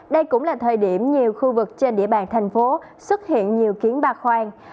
đây cũng là thời điểm nhiều khu vực trên địa bàn tp hcm xuất hiện nhiều kiến ba khoang